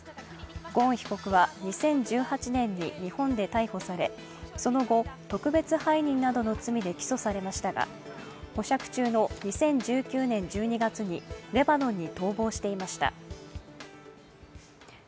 ゴーン被告は２０１８年に日本で逮捕されその後、特別背任などの罪で起訴されましたが保釈中の２０１９年１２月にレバノンに逃亡していました。